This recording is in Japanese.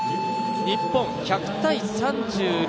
日本、１００−３６。